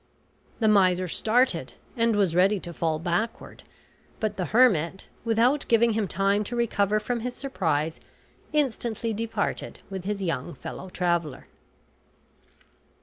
The miser started, and was ready to fall backward; but the hermit, without giving him time to recover from his surprise, instantly departed with his young fellow traveler.